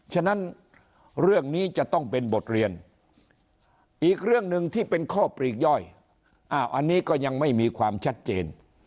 ฉะนั้นเรื่องนี้จะต้องเป็นบทเรียนอีกเรื่องหนึ่งที่เป็นข้อปลีกย่อยอันนี้ก็ยังไม่มีความชัดเจน